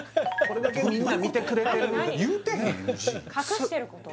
これだけみんな見てくれてるどういうこと？